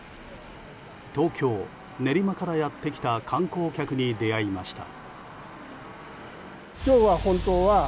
東京・練馬からやってきた観光客に出会いました。